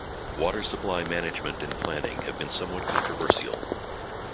Water supply management and planning have been somewhat controversial.